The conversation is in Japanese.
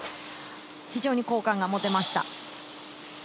非常に好感が持てました。